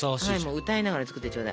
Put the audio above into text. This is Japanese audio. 歌いながら作ってちょうだい。